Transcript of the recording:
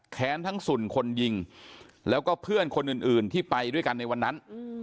ทั้งสุ่นคนยิงแล้วก็เพื่อนคนอื่นที่ไปด้วยกันในวันนั้น